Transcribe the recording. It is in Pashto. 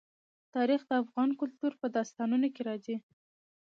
تاریخ د افغان کلتور په داستانونو کې راځي.